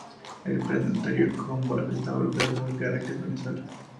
El Planetario Humboldt está localizado en Caracas, Venezuela.